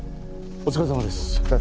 お疲れさまです。